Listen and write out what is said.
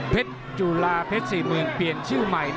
จุฬาเพชร๔เมืองเปลี่ยนชื่อใหม่